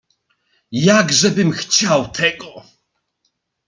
"Jakżebym chciał tego!"